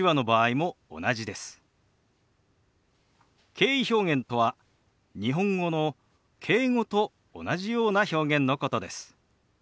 敬意表現とは日本語の「敬語」と同じような表現のことです。